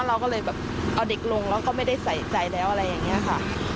เราก็เลยแบบเอาเด็กลงแล้วก็ไม่ได้ใส่ใจแล้วอะไรอย่างนี้ค่ะ